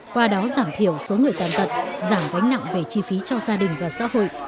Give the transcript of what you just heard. qua đó giảm thiểu số người tàn tật giảm gánh nặng về chi phí cho gia đình và xã hội